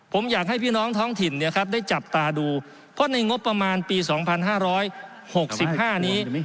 ผมอยากให้พี่น้องท้องถิ่นได้จับตาดูเพราะในงบประมาณปี๒๕๖๕นี้